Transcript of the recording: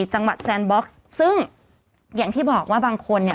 จังหวัดแซนบ็อกซ์ซึ่งอย่างที่บอกว่าบางคนเนี่ย